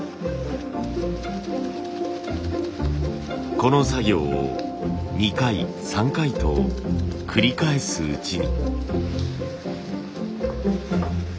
この作業を２回３回と繰り返すうちに。